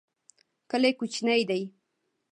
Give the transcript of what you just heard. کلی کوچنی دی.